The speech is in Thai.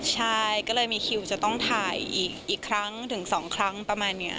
ใช่ก็เลยมีคิวจะต้องถ่ายอีกครั้งถึง๒ครั้งประมาณนี้